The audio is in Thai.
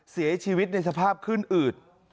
เสียชีวิตในสภาพขึ้นอืด